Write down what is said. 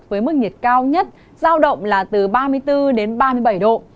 với mức nhiệt cao nhất giao động là từ ba mươi bốn đến ba mươi bảy độ